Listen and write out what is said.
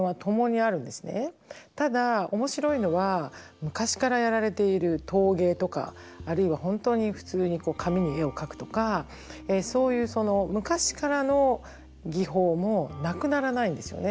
ただ面白いのは昔からやられている陶芸とかあるいは本当に普通に紙に絵を描くとかそういう昔からの技法もなくならないんですよね。